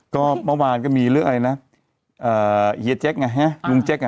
ก็เมื่อวานก็มีเรื่องอะไรนะเฮียเจ๊กไงฮะลุงเจ๊กอ่ะ